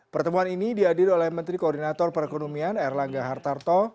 pertemuan ini dihadir oleh menteri koordinator perekonomian erlangga hartarto